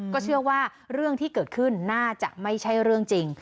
ก็เชื่อว่าเรื่องที่เกิดขึ้นน่าจะไม่ใช่เรื่องจริง